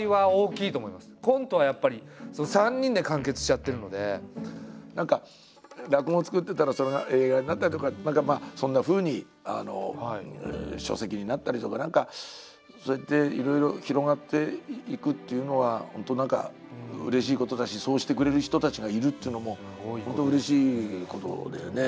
やっぱりでも何か落語を作ってたらそれが映画になったりとかそんなふうに書籍になったりとか何かそうやっていろいろ広がっていくっていうのは本当うれしいことだしそうしてくれる人たちがいるというのも本当うれしいことだよね。